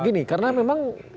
gini karena memang